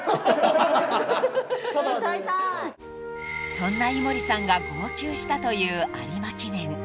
［そんな井森さんが号泣したという有馬記念］